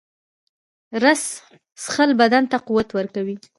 رس څښل بدن ته قوت ورکوي